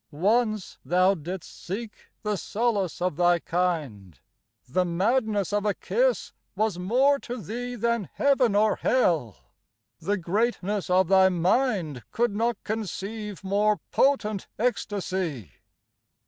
Once thou didst seek the solace of thy kind, The madness of a kiss was more to thee Than Heaven or Hell, the greatness of thy mind Could not conceive more potent ecstasy!